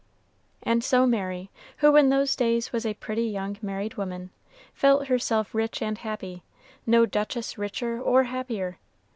And so Mary, who in those days was a pretty young married woman, felt herself rich and happy, no duchess richer or happier.